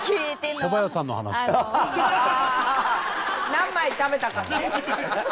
何枚食べたかって？